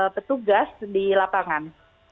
tersugas di lapangan